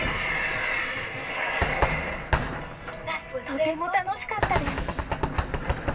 とても楽しかったです。